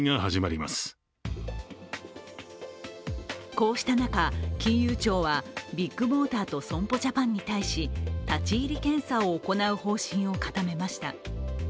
こうした中、金融庁はビッグモーターと損保ジャパンに対し立ち入り検査を行う方針を固めました。